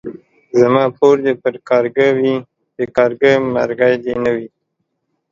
زما پور دي پر کارگه وي ،د کارگه مرگى دي نه وي.